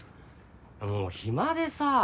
もう暇でさ。